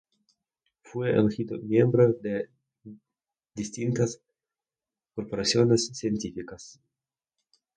Fue elegido miembro de distintas corporaciones científicas.